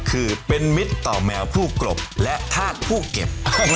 คือเป็นมิตรต่อแมวผู้กลบและธาตุผู้เก็บ